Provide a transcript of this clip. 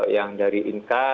yang dari inka